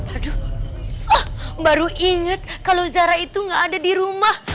aduh baru inget kalau zara itu nggak ada di rumah